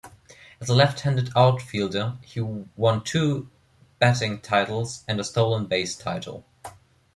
As a left-handed outfielder, he won two batting titles and a stolen base title.